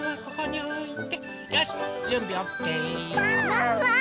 ワンワーン！